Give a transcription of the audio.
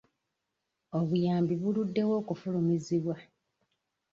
Obuyambi buluddewo okufulumizibwa.